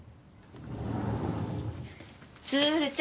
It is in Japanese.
鶴ちゃん！